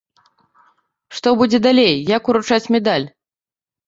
Што будзе далей, як уручаць медаль?